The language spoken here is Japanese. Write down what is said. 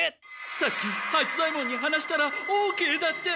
さっき八左ヱ門に話したらオーケーだって！